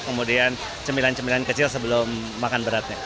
kemudian cemilan cemilan kecil sebelum makan beratnya